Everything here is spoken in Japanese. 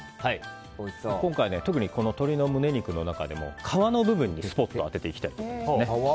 今回、特に鶏の胸肉の中でも皮の部分にスポットを当てていきたいと思います。